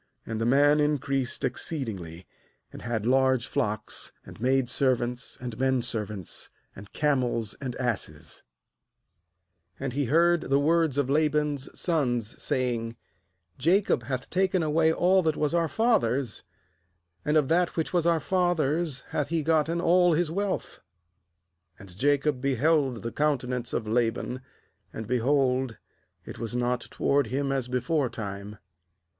^And the man increased exceedingly, and had large flocks, and maid servants and men servants, and camels Q ~| And he heard the words of La ^•*• ban's sons, saying: 'Jacob hath taken away all that was our father's; and of that which was our father's hath he gotten all this wealth/ 2And Jacob beheld the countenance of Laban, and, behold, it was not toward him as beforetime.